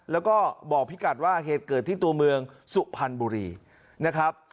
แล้วก็บอกพี่กัดว่าเหตุเกิดที่ตัวเมืองสุพรรณบุรีนะครับ